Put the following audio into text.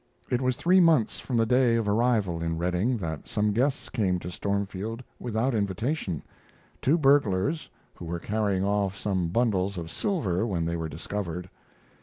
It was three months from the day of arrival in Redding that some guests came to Stormfield without invitation two burglars, who were carrying off some bundles of silver when they were discovered.